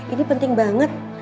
ini penting banget